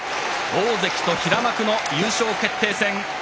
大関と平幕の優勝決定戦。